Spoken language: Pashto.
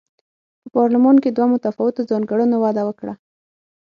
په پارلمان کې دوه متفاوتو ځانګړنو وده وکړه.